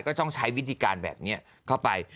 ก็ต้องใช้วิธีการแบบนี้เข้าไป